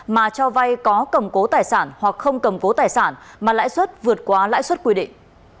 mà cho vay có cầm cố tài sản hoặc không cầm cố tài sản mà lãi suất vượt quá lãi suất quy định